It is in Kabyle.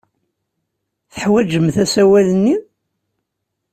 Teḥwajemt asawal-nni?